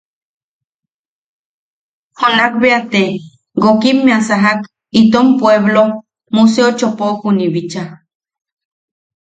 Junanbeate gokimmea sajak itom pueblo Museo Chopokuni bicha.